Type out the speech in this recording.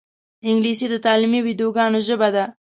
انګلیسي د تعلیمي ویدیوګانو ژبه ده